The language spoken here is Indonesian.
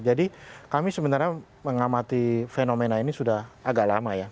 jadi kami sebenarnya mengamati fenomena ini sudah agak lama ya